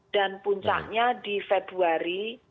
dan puncaknya di februari